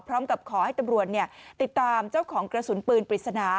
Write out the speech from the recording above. พร้อมกับขอให้ตำรวจติดตามเจ้าของกระสุนปืนปริศนา